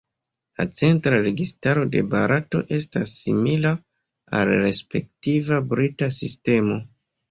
La centra registaro de Barato estas simila al la respektiva brita sistemo.